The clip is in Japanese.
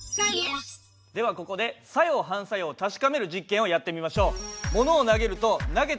ではここで作用・反作用を確かめる実験をやってみましょう。